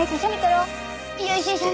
よいしょ。